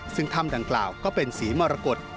ซึ่งธรรมดังกล่าก็เป็นสีมรกฎ